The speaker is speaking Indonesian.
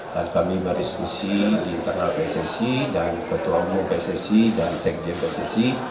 dan kami berdiskusi di internal pssi dan ketua umum pssi dan sekretaris pssi